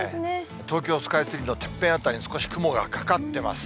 東京スカイツリーのてっぺん辺りに少し雲がかかってます。